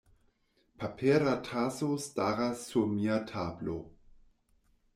Papera taso staras sur mia tablo.